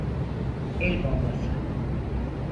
El bombası!